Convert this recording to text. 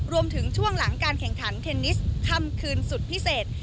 ช่วงหลังการแข่งขันเทนนิสค่ำคืนสุดพิเศษ